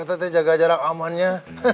teteh jaga jarak amannya